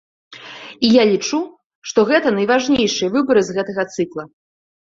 І я лічу, што гэта найважнейшыя выбары з гэтага цыкла.